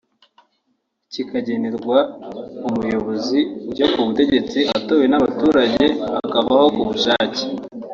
kikagenerwa umuyobozi ujya ku butegetsi atowe n’abaturage akavaho ku bushake